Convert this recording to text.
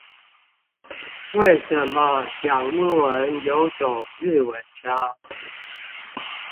為什麼講英文有種日文腔